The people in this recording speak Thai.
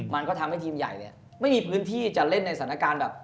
มันก็ทำให้ทีมใหญ่เนี่ยไม่มีพื้นที่จะเล่นในสถานการณ์แบบ